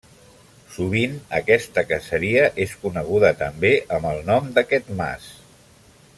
Sovint aquesta caseria és coneguda també amb el nom d'aquest mas.